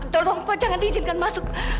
tolong pak jangan diizinkan masuk